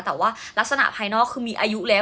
แต่ว่ารักษณะภายนอกคือมีอายุแล้ว